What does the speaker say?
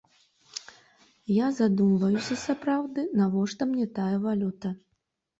Я задумваюся, сапраўды, навошта мне тая валюта?